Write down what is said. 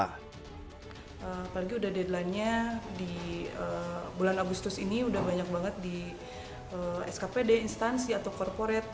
apalagi udah deadline nya di bulan agustus ini udah banyak banget di skpd instansi atau korporat